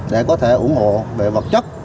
để có thể ủng hộ về vật chất